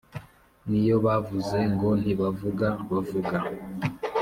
n’iyo bavuze ngo ntibavuga bavuga,